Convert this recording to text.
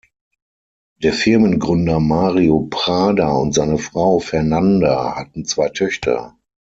Der Firmengründer Mario Prada und seine Frau Fernanda hatten zwei Töchter.